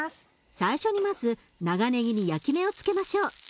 最初にまず長ねぎに焼き目をつけましょう。